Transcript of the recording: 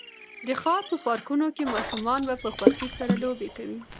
د ښار په پارکونو کې ماشومان په خوښۍ سره لوبې کوي.